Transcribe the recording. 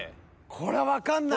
これはわかんない。